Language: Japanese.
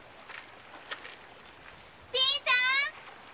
新さん